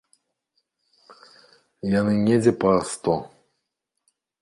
Яны недзе па сто.